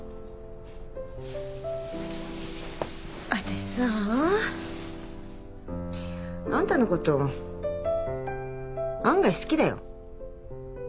私さあんたのこと案外好きだよ。